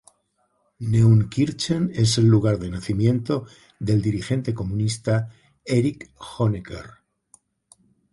Neunkirchen es el lugar de nacimiento del dirigente comunista Erich Honecker.